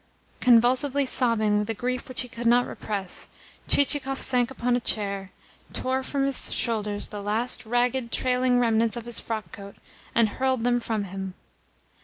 Convulsively sobbing with a grief which he could not repress, Chichikov sank upon a chair, tore from his shoulders the last ragged, trailing remnants of his frockcoat, and hurled them from him.